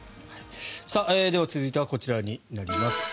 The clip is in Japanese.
では、続いてはこちらになります。